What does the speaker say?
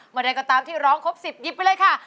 อะไรก็ตามที่ร้องครบ๑๐ยิบไปเลยค่ะ